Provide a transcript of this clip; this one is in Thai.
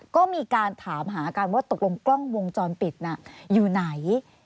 ก็มีการถามหากันว่าตกลงกล้องวงจรปิดน่ะอยู่ไหน